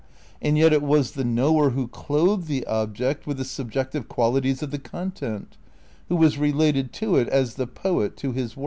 And yet it was the knower who "clothed" the object with the subjective qualities of the content, who was related to it as "the poet to his work."